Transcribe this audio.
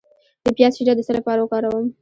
د پیاز شیره د څه لپاره وکاروم؟